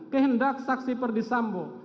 kehendak saksi perdisambo